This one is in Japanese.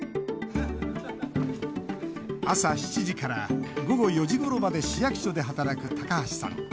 朝７時から午後４時ごろまで市役所で働く高橋さん。